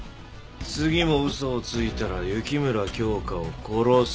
次も嘘をついたら雪村京花を殺す。